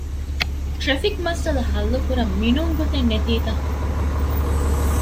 ޓްރެފިކް މައްސަލަ ހައްލުކުރަން މިނޫން ގޮތެއް ނެތީތަ؟